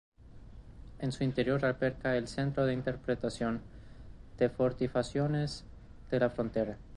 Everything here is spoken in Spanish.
En su interior alberga el "Centro de Interpretación de Fortificaciones de la Frontera".